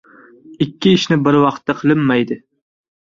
• Ikki ishni bir vaqtda qilinmaydi.